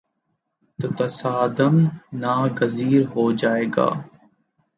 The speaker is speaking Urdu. تو تصادم ناگزیر ہو جائے گا۔